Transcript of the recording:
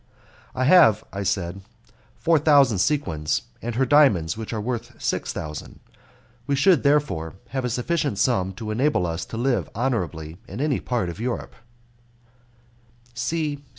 "I have," I said, "four thousand sequins and her diamonds, which are worth six thousand; we should, therefore, have a sufficient sum to enable us to live honourably in any part of Europe."